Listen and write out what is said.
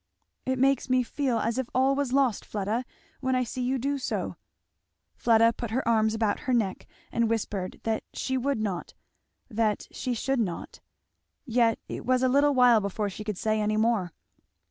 "It makes me feel as if all was lost, Fleda, when I see you do so," Fleda put her arms about her neck and whispered that "she would not" that "she should not" Yet it was a little while before she could say any more.